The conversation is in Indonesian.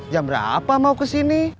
jam berapa mau kesini